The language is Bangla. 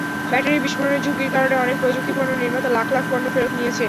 ব্যাটারি বিস্ফোরণের ঝুঁকির কারণে অনেক প্রযুক্তিপণ্য নির্মাতা লাখ লাখ পণ্য ফেরত নিয়েছে।